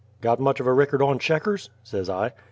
"Got much of a rickord on Checkers?" says I.